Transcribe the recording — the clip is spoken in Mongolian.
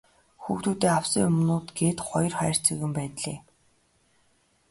Хүүхдүүддээ авсан юмнууд гээд хоёр хайрцаг юм байнлээ.